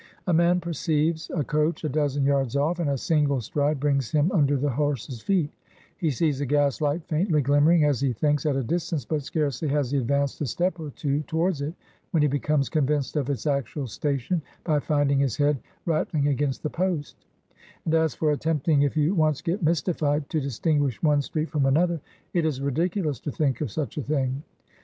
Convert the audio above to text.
A man perceives a coach a dozen yards off, and a single stride brings him under the horses' feet ; he sees a gas light faintly glimmering (as he thinks) at a distance, but scarcely has he advanced a step or two towards it, when he becomes convinced of its actual station by finding his head rattling against the post; and as for attempting, if you once get mystified, to distinguish one street from another, it is ridiculous to think of such a thing.